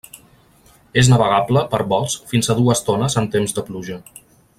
És navegable per bots fins a dues tones en temps de pluja.